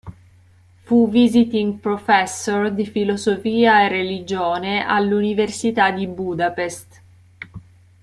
Fu "visiting professor" di filosofia e religione alla Università di Budapest.